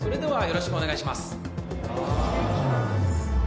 よろしくお願いします